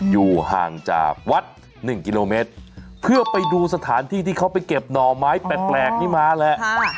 อยู่ห่างจากวัด๑กิโลเมตรเพื่อไปดูสถานที่ที่เขาไปเก็บหน่อไม้แปลกนี้มาแหละ